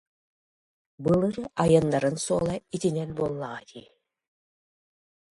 Былыр айаннарын суола итинэн буоллаҕа дии»